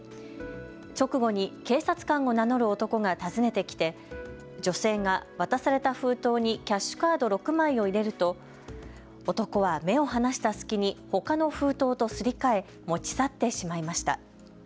直後に警察官を名乗る男が訪ねてきて女性が渡された封筒にキャッシュカード６枚を入れると男は目を離した隙にほかの封筒とすり替え持ち去ってしまいました。